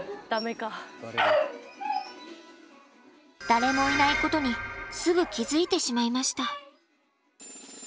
誰もいないことにすぐ気づいてしまいました。